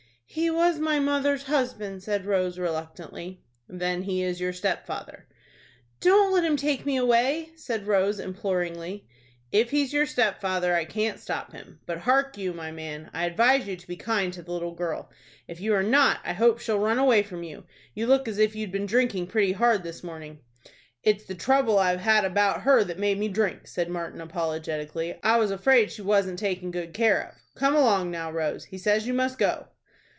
"He was mother's husband," said Rose, reluctantly. "Then he is your stepfather." "Don't let him take me away," said Rose, imploringly. "If he's your stepfather, I can't stop him. But, hark you, my man, I advise you to be kind to the little girl. If you are not, I hope she'll run away from you. You look as if you'd been drinking pretty hard this morning." "It's the trouble I've had about her that made me drink," said Martin, apologetically. "I was afraid she wasn't taken good care of. Come along now, Rose. He says you must go."